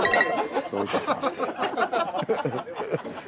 どういたしまして。